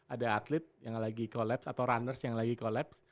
ada atlet yang lagi collapse atau runners yang lagi collapse